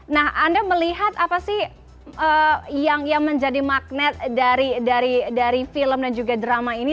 nah anda melihat apa sih yang menjadi magnet dari film dan juga drama ini